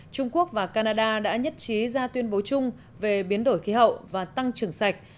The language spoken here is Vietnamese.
trung quốc và canada đã nhất trí ra tuyên bố chung về biến đổi khí hậu và tăng trưởng sạch